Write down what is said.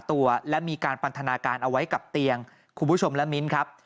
ตัวและมีการปันทนาการเอาไว้กับเตียงคุณผู้ชมและมิ้นครับ